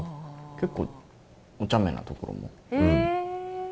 結構おちゃめなところも。